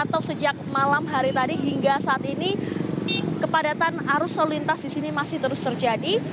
atau sejak malam hari tadi hingga saat ini kepadatan arus lalu lintas di sini masih terus terjadi